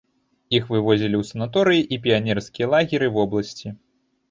Іх вывозілі ў санаторыі і піянерскія лагеры вобласці.